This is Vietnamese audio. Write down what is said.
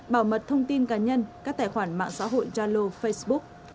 bảo mật thông tin cá nhân các tài khoản mạng xã hội jalo facebook